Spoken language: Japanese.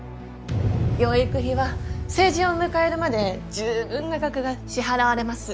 養育費は成人を迎えるまでじゅうぶんな額が支払われます。